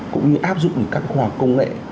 cũng như áp dụng được các hòa công nghệ